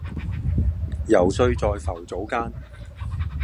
揉碎在浮藻間